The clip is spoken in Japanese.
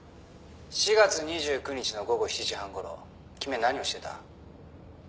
「４月２９日の午後７時半頃君は何をしてた？」